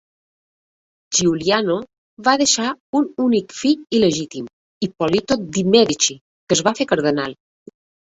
Giuliano va deixar un únic fill il·legítim, Ippolito de' Medici, que es va fer cardenal.